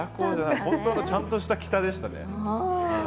本当のちゃんとした北でしたね。